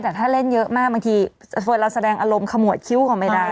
แต่เมื่อเกิดเล่นเยอะมากเราแสดงอารมณ์ขมัวกิ้วของไม่ได้